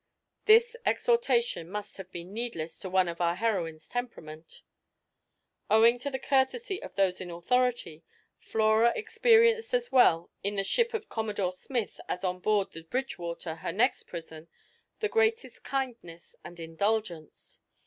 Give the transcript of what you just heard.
This exhortation must have been needless to one of our heroine's temperament. Owing to the courtesy of those in authority, Flora experienced as well in the ship of Commodore Smith as on board the Bridgewater, her next prison, the greatest kindness and indulgence.